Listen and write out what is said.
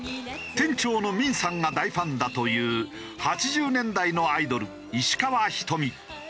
店長のミンさんが大ファンだという８０年代のアイドル石川ひとみ。